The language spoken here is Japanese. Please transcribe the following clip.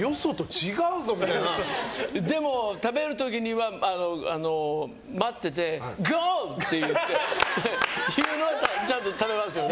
でも、食べる時には待っててゴー！って言うとちゃんと食べますよね。